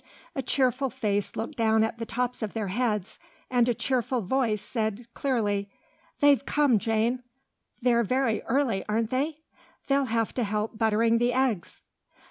A cheerful face looked down at the tops of their heads, and a cheerful voice said clearly, "They've come, Jane. They're very early, aren't they? They'll have to help buttering the eggs."